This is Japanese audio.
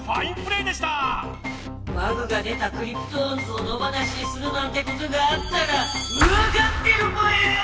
バグが出たクリプトオンズを野ばなしにするなんてことがあったらわかってるぽよ？